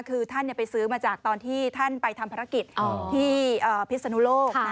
คือท่านไปซื้อมาจากตอนที่ท่านไปทำภารกิจที่พิศนุโลก